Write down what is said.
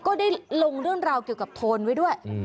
ก็ได้ลงเรื่องราวเกี่ยวกับโทนไว้ด้วย